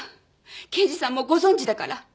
刑事さんはもうご存じだから。